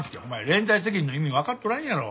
連帯責任の意味わかっとらんやろ。